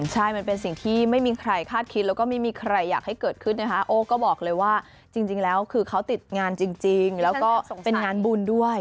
ใช่มันเป็นสิ่งที่ไม่มีใครคาดคิดแล้วก็ไม่มีใครอยากให้เกิดขึ้นนะคะโอ้ก็บอกเลยว่าจริงแล้วคือเขาติดงานจริงแล้วก็เป็นงานบุญด้วย